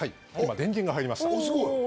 電源が入りました。